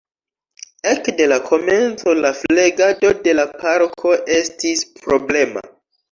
Ekde la komenco la flegado de la parko estis problema.